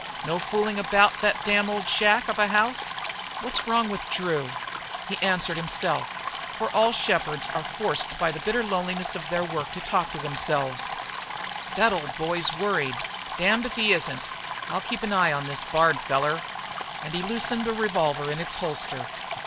"No fooling about that damned old shack of a house; what's wrong with Drew?" He answered himself, for all shepherds are forced by the bitter loneliness of their work to talk with themselves. "The old boy's worried. Damned if he isn't! I'll keep an eye on this Bard feller." And he loosened the revolver in its holster.